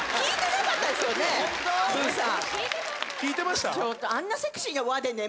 聴いてました？